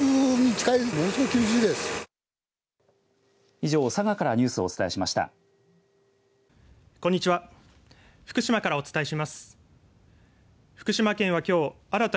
以上、佐賀からニュースをお伝えしました。